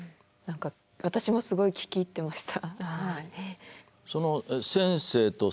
私もすごい聞き入ってました。